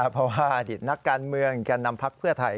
เพราะว่าอดีตนักการเมืองแก่นำพักเพื่อไทย